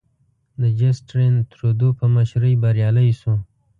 د جسټین ترودو په مشرۍ بریالی شو.